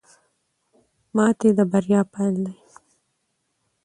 ماتې د بریا پیل دی.